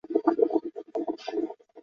三叶虫和腕足类很多。